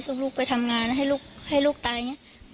ลูกไปทำงานให้ลูกตายอย่างนี้